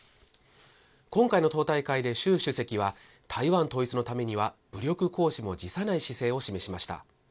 今回の党大会で習主席は、台湾統一のためには武力行使も辞さない姿勢を示しました。